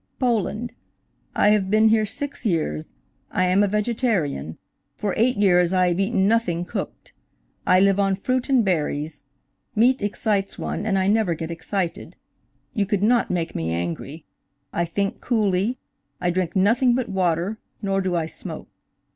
"Poland. I have been here six years. I am a vegetarian. For eight years I have eaten nothing cooked. I live on fruit and berries; meat excites one, and I never get excited, you could not make me angry–I think coolly, I drink nothing but water, nor do I smoke.